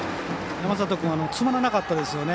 山里君、詰まらなかったですね。